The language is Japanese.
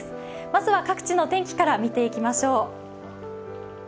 まずは各地の天気から見ていきましょう。